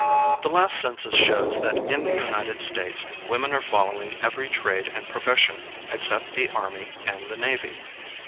The last census shows that in the United States women are following every trade and profession except the army and the navy.